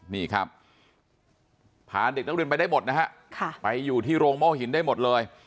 นี่ครับพาเด็กนักเรียนไปได้หมดนะฮะไปอยู่ที่โรงโม่หินได้หมดเลย